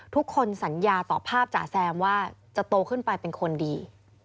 ทุกคนสัญญาต่อภาพจ๋าแซมว่าจะโตขึ้นไปเป็นคนดี